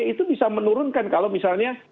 itu bisa menurunkan kalau misalnya